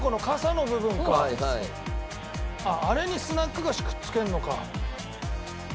あっあれにスナック菓子くっつけるのか。